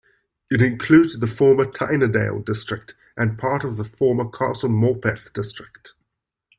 It includes the former Tynedale district and part of the former Castle Morpeth district.